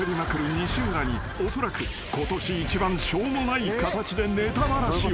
西村におそらくことし一番しょうもない形でネタバラシを］